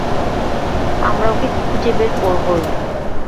আমরা ওকে খুঁজে বের করবোই।